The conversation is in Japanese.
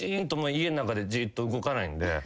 家の中でじっと動かないんで。